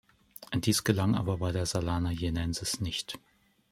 Dies gelang aber bei der Salana Jenensis nicht.